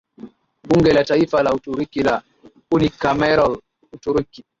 Bunge la Taifa la Uturuki la Unicameral Uturuki